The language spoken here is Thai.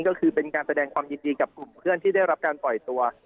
ก็คือเป็นการแสดงความยินดีกับกลุ่มเพื่อนที่ได้รับการปล่อยตัว